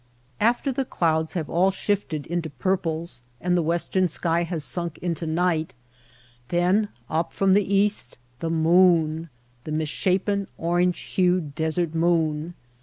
After the clouds have all shifted into purples and the western sky has sunk into night, then up from the east the moon — the misshapen orange hued desert moon.